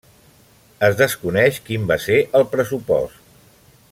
Es desconeix quin va ser el pressupost.